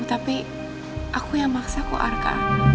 tapi aku yang maksaku arka